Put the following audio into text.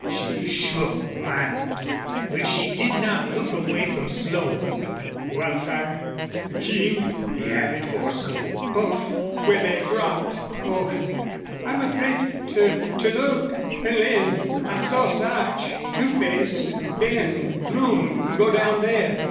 She shook violently. But she did not look away from Slone. "Wildfire! The King!" he added, hoarsely. "Both where they dropped. Oh, I'm afraid to to look.... And, Lin, I saw Sarch, Two Face, and Ben and Plume go down there."